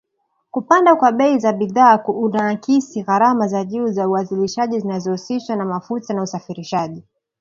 Kupanda kwa bei za bidhaa kunaakisi gharama za juu za uzalishaji zinazohusishwa na mafuta na usafirishaji.